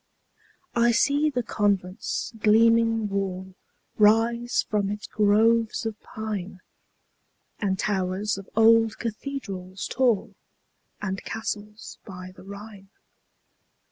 I see the convent's gleaming wall Rise from its groves of pine, And towers of old cathedrals tall, And castles by the Rhine.